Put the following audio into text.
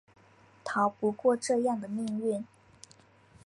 逃不过这样的命运